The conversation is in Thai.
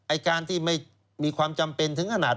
การที่ไม่มีความจำเป็นถึงขนาด